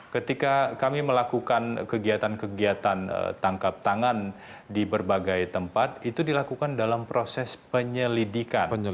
ketika kami melakukan kegiatan kegiatan tangkap tangan di berbagai tempat itu dilakukan dalam proses penyelidikan